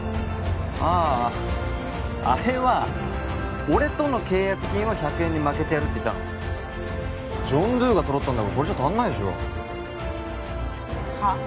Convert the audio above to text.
あああれは俺との契約金は１００円にまけてやるって言ったのジョン・ドゥが揃ったんだからこれじゃ足んないでしょはっ？